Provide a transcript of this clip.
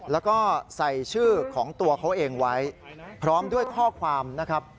แล้วก็ใส่ชื่อของตัวเขาเองไว้พร้อมด้วยข้อความนะครับ